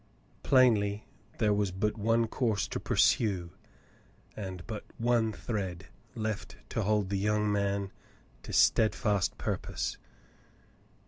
Plainly there was but one course to pursue, and but one thread left to hold the young man to steadfast purpose.